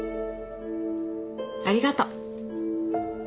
ありがと。